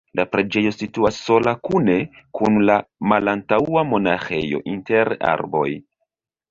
La preĝejo situas sola kune kun la malantaŭa monaĥejo inter arboj.